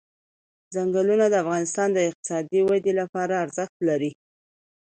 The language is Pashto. چنګلونه د افغانستان د اقتصادي ودې لپاره ارزښت لري.